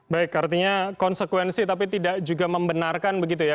baik artinya konsekuensi tapi tidak juga membenarkan begitu ya